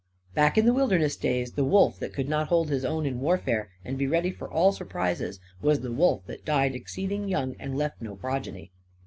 Back in the wilderness days, the wolf that could not hold his own in warfare and be ready for all surprises, was the wolf that died exceeding young and left no progeny.